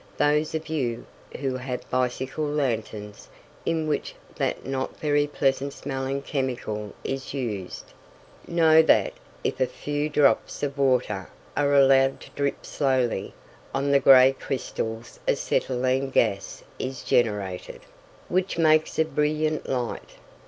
Those of you who have bicycle lanterns, in which that not very pleasant smelling chemical is used, know that if a few drops of water are allowed to drip slowly on the gray crystals acetylene gas is generated, which makes a brilliant light.